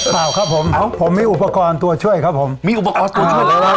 เปล่าครับผมของผมมีอุปกรณ์ตัวช่วยครับผมมีอุปกรณ์ตัวช่วยเลยครับ